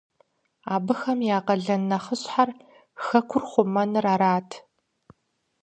Абыхэм я къалэн нэхъыщхьэр хэкӀур хъумэныр арат.